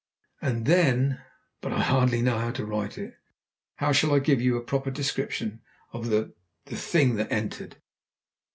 And then but I hardly know how to write it. How shall I give you a proper description of the thing that entered.